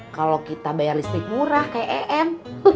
kalau kita bayar listrik murah kayak em